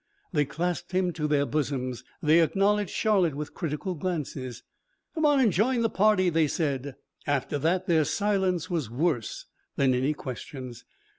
They clasped him to their bosoms. They acknowledged Charlotte with critical glances. "Come on and join the party," they said. After that, their silence was worse than any questions.